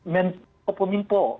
menteri kepulauan mimpi